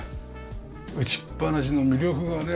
打ちっぱなしの魅力がね